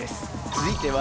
続いては。